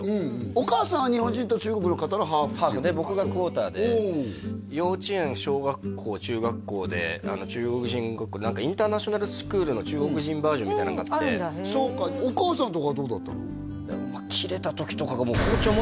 お母さんは日本人と中国の方のハーフっていうことか僕がクオーターで幼稚園小学校中学校で中国人学校インターナショナルスクールの中国人バージョンみたいなのがあってそうかお母さんとかどうだったの？